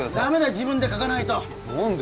自分で書かないと何で？